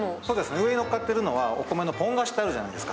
上に乗っかってるのはポン菓子ってあるじゃないですか。